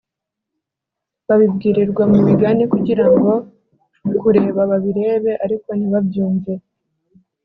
babibwirirwa mu migani kugira ngo kureba babirebe ariko ntibabyumve